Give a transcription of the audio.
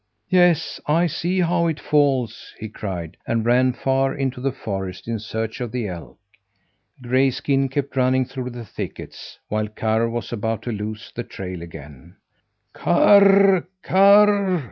"Yes, I see how it falls," he cried, and ran far into the forest in search of the elk. Grayskin kept running through the thickets, while Karr was about to lose the trail again. "Karr, Karr!"